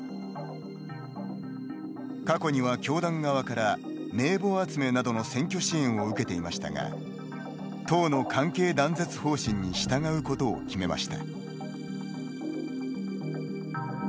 過去には教団側から名簿集めなどの選挙支援を受けていましたが党の関係断絶方針に従うことを決めました。